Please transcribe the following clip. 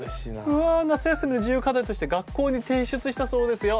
うわ夏休みの自由課題として学校に提出したそうですよ。